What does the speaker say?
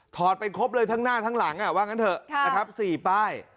ถอดเป็นครบเลยทั้งหน้าทั้งหลังอ่ะว่าอย่างนั้นเถอะครับสี่ป้าย